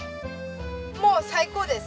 もう最高です。